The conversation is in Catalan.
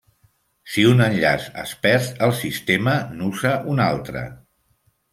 Si un enllaç es perd, el sistema n'usa un altre.